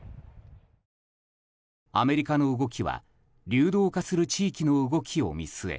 アメリカの動きは流動化する地域の動きを見据え